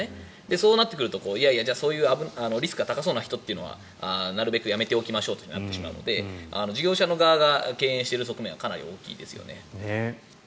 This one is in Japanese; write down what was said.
そうなってくると、いやいやそういうリスクが高そうな人というのはなるべくやめておきましょうとなってしまうので事業者の側が敬遠している側面はかなり大きいですよね。